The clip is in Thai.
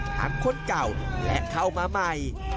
คนเก่าและเข้ามาใหม่